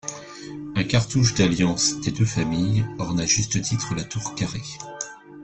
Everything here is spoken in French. Un cartouche d'alliance des deux familles orne à juste titre la tour carrée.